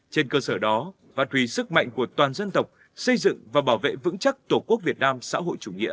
trên cơ sở đó phát huy sức mạnh của toàn dân tộc xây dựng và bảo vệ vững chắc tổ quốc việt nam xã hội chủ nghĩa